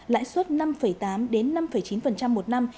lãi suất năm tám đến năm chín một năm